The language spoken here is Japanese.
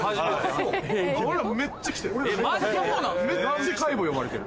俺らめっちゃ来てる。